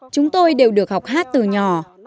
chúng tôi đều được học hát từ nhỏ